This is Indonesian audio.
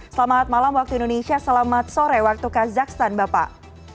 selamat malam waktu indonesia selamat sore waktu kazakhstan bapak